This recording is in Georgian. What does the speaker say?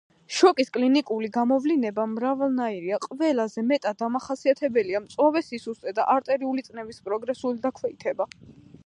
შოკის კლინიკური გამოვლინება მრავალნაირია; ყველაზე მეტად დამახასიათებელია მწვავე სისუსტე და არტერიული წნევის პროგრესული დაქვეითება.